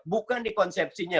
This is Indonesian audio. bukan di konsepsinya